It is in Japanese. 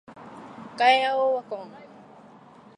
ガイアオワコン